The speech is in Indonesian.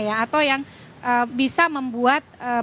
atau yang bisa membuat